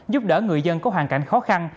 giúp đỡ người dân có hoàn cảnh khó khăn